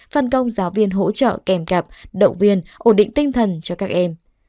phân công giáo viên hỗ trợ kèm cặp động viên ổn định tinh thần cho các em